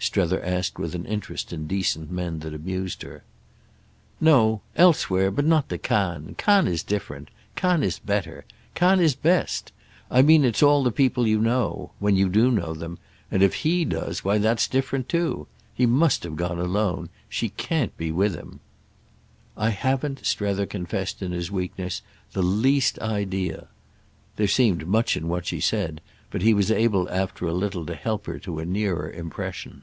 Strether asked with an interest in decent men that amused her. "No, elsewhere, but not to Cannes. Cannes is different. Cannes is better. Cannes is best. I mean it's all people you know—when you do know them. And if he does, why that's different too. He must have gone alone. She can't be with him." "I haven't," Strether confessed in his weakness, "the least idea." There seemed much in what she said, but he was able after a little to help her to a nearer impression.